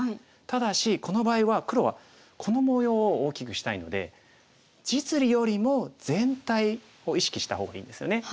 ただしこの場合は黒はこの模様を大きくしたいので実利よりも全体を意識した方がいいんですよね。